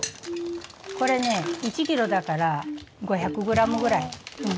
これね１キロだから５００ｇぐらい。